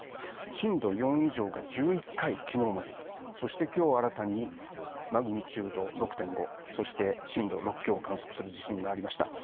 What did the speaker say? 震度４以上が１１回、昨日までに、そして今日新たにマグニチュード６．５、そして震度６強を観測する地震がありました。